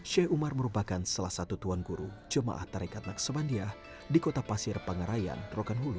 sheikh umar merupakan salah satu tuan guru jemaah tarekat naksebandia di kota pasir pangarayan rokan hulu